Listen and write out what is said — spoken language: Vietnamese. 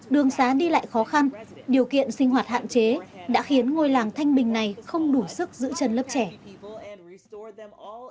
đường xá đi lại khó khăn điều kiện sinh hoạt hạn chế đã khiến ngôi làng thanh bình này không đủ sức giữ chân lớp trẻ